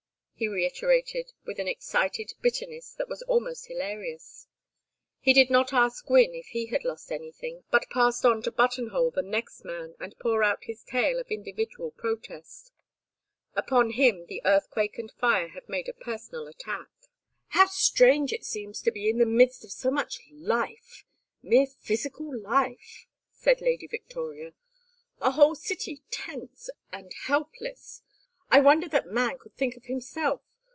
he reiterated, with an excited bitterness that was almost hilarious. He did not ask Gwynne if he had lost anything, but passed on to button hole the next man and pour out his tale of individual protest; upon him the earthquake and fire had made a personal attack. "How strange it seems to be in the midst of so much life mere physical life," said Lady Victoria. "A whole city tense and helpless! I wonder that man could think of himself.